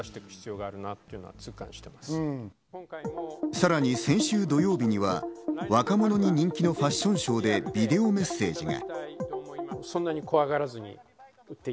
さらに先週土曜日には、若者に人気のファッションショーでビデオメッセージが。